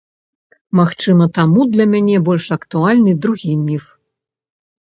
Магчыма, таму для мяне больш актуальны другі міф.